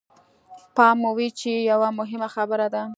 پام مو وي چې يوه مهمه خبره ده.